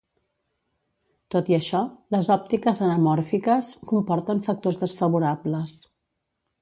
Tot i això, les òptiques anamòrfiques comporten factors desfavorables.